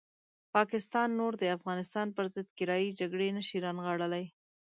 پاکستان نور د افغانستان پرضد کرایي جګړې نه شي رانغاړلی.